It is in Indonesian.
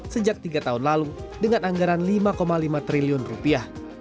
sejak tiga tahun lalu dengan anggaran lima lima triliun rupiah